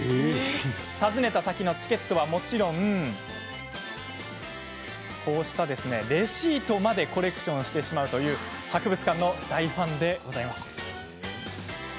訪ねた先のチケットはもちろんレシートまでコレクションしてしまうという博物館の大ファンなんです。